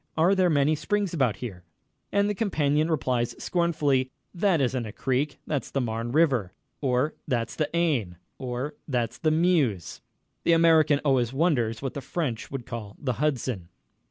Are there many springs about here?" And the companion replies scornfully: "That isn't a creek that's the Marne River," or "That's the Aisne," or "That's the Meuse." The American always wonders what the French would call the Hudson.